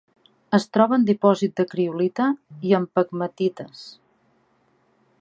Es troba en dipòsit de criolita i en pegmatites.